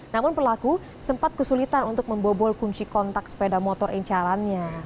namun pelaku sempat kesulitan untuk membobol kunci kontak sepeda motor incarannya